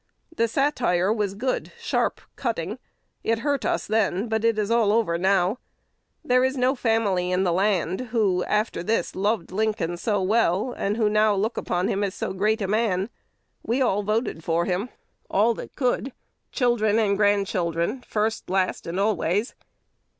The satire was good, sharp, cutting: it hurt us then, but it is all over now. There is no family in the land who, after this, loved Lincoln so well, and who now look upon him as so great a man. We all voted for him, all that could, children and grandchildren, first, last, and always."